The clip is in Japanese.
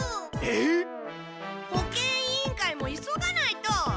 えっ！保健委員会も急がないと！